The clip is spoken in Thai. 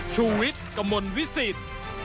ชุวิตกระมวลวิสิต